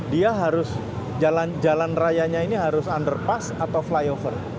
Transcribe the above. dia harus jalan rayanya ini harus underpass atau flyover